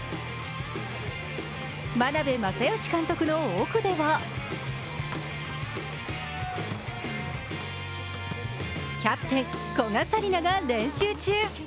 眞鍋政義監督の奥ではキャプテン、古賀紗理那が練習中。